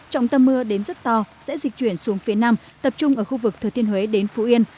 trọng tâm mưa đến rất to sẽ dịch chuyển xuống phía nam tập trung ở khu vực thừa thiên huế đến phú yên